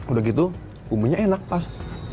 udah gitu bumbunya enak pas